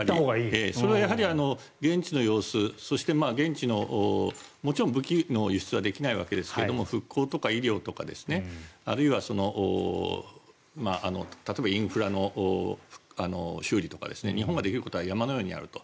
それはやはり現地の様子そして、現地のもちろん武器の輸出はできませんが復興とか医療とかあるいは例えば、インフラの修理とか日本ができることは山のようにあると。